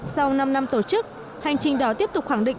sau năm năm tổ chức hành trình đỏ tiếp tục khẳng định